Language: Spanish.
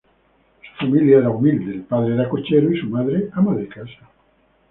Su familia era humilde: el padre era cochero y su madre ama de casa.